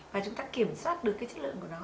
và chúng ta kiểm soát được cái chất lượng của nó